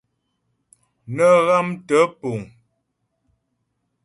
Nə́ ghámtə́ puŋ.